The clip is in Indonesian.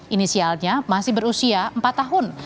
inisialnya masih berusia empat tahun